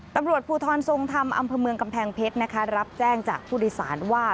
ตำรวจภูทรทรงธรรมอำเภอเมืองกำแพงเพชรนะคะรับแจ้งจากผู้โดยสารว่า